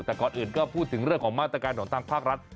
แต่ก่อนอื่นก็พูดถึงเรื่องของมาตรการของทางภาครัฐ